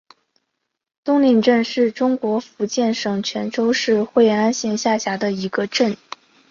东岭镇是中国福建省泉州市惠安县下辖的一个镇。